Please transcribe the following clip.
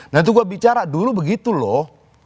nah itu gue bicara dulu begitu loh